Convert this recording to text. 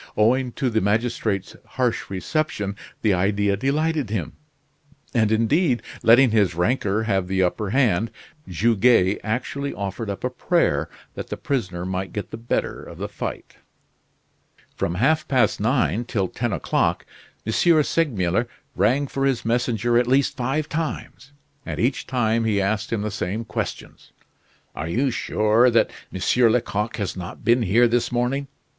Owing to the magistrate's harsh reception the idea delighted him; and, indeed, letting his rancor have the upper hand, Goguet actually offered up a prayer that the prisoner might get the better of the fight. From half past nine till ten o'clock M. Segmuller rang for his messenger at least five times, and each time he asked him the same questions: "Are you sure that M. Lecoq has not been here this morning?